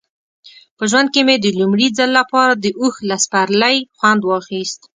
په ژوند کې مې د لومړي ځل لپاره د اوښ له سپرلۍ خوند واخیست.